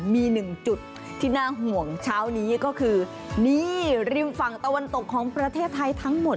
มีหนึ่งจุดที่น่าห่วงเช้านี้ก็คือนี่ริมฝั่งตะวันตกของประเทศไทยทั้งหมด